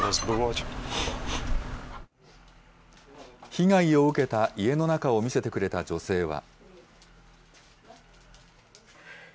被害を受けた家の中を見せてくれた女性は。